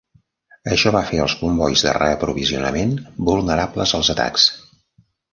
Això va fer els combois de reaprovisionament vulnerables als atacs.